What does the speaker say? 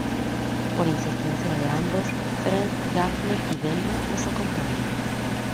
Por insistencia de ambos, Fred, Daphne y Velma los acompañan.